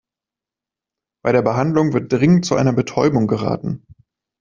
Bei der Behandlung wird dringend zu einer Betäubung geraten.